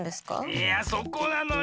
いやそこなのよ。